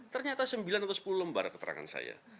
ternyata sembilan atau sepuluh lembar keterangan saya